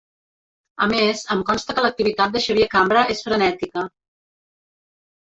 A més, em consta que l'activitat de Xavier Cambra és frenètica.